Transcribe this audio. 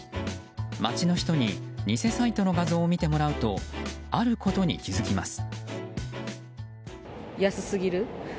街の人に偽サイトの画像を見てもらうとあることに気づきます。